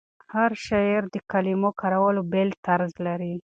هر شاعر د کلمو کارولو بېل طرز لري.